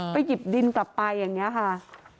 หยิบดินกลับไปอย่างนี้ค่ะ